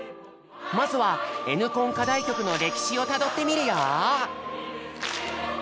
まずは「Ｎコン」課題曲の歴史をたどってみるよ！